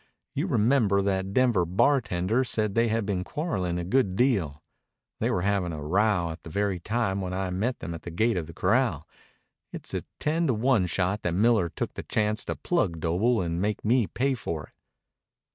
You remember that Denver bartender said they had been quarreling a good deal. They were having a row at the very time when I met them at the gate of the corral. It's a ten to one shot that Miller took the chance to plug Doble and make me pay for it."